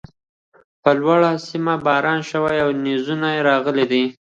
پر لوړۀ سيمه باران شوی او نيزونه راغلي دي